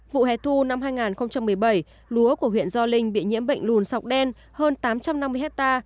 vụ hải thu năm hai nghìn một mươi bảy lúa của huyện do linh bị nhiễm bệnh lùn sọc đen hơn tám trăm năm mươi ha